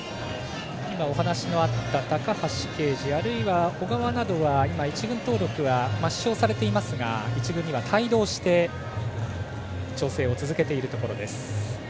今、お話のあった高橋奎二あるいは小川などは今１軍登録は抹消されていますが１軍には帯同して調整を続けているというところ。